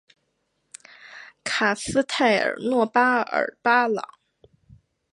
卡斯泰尔诺巴尔巴朗。